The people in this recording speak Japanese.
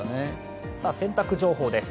洗濯情報です。